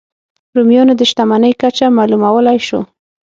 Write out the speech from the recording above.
د رومیانو د شتمنۍ کچه معلومولای شو.